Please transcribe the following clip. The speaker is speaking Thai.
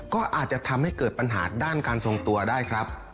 ก็อาจจะทำให้เกิดปัญหาด้านการทรงตัวได้ครับ